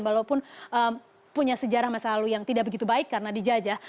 walaupun punya sejarah masa lalu yang tidak begitu baik karena dijajah